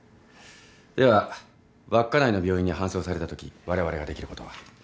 では稚内の病院に搬送されたときわれわれができることは？